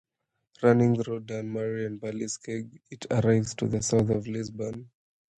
Running through Dunmurry and Ballyskeagh it arrives to the south of Lisburn.